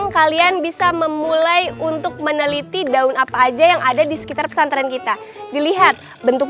kalian bisa memulai untuk meneliti daun apa aja yang ada di sekitar pesantren kita dilihat bentuk